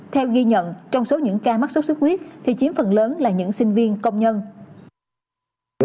theo ghi nhận trong số những ca mắc sốt xuất huyết thì chiếm phần lớn là những sinh viên công nhân